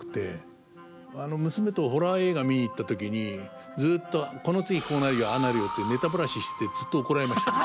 娘とホラー映画見に行った時にずっと「この次こうなるよああなるよ」ってネタバラししてずっと怒られましたね。